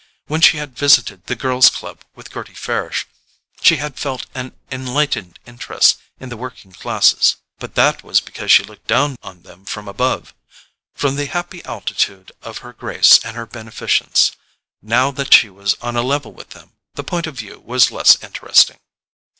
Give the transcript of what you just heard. —when she had visited the Girls' Club with Gerty Farish, she had felt an enlightened interest in the working classes; but that was because she looked down on them from above, from the happy altitude of her grace and her beneficence. Now that she was on a level with them, the point of view was less interesting.